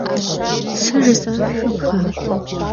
Se jjıs'ar zexepxa?